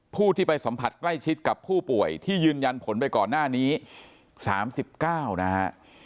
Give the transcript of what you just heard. ผู้ที่ไปสัมผัสใกล้ชิดกับผู้ป่วยที่ยืนยันผลไปก่อนหน้านี้๓๙นะฮะ